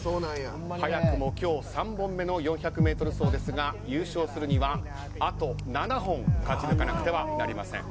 早くも今日３本目の４００ｍ走ですが優勝するには、あと７本勝ち抜かなくてはなりません。